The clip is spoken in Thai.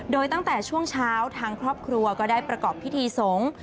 โดยตั้งแต่ช่วงเช้าทางครอบครัวก็ได้ประกอบพิธีสงฆ์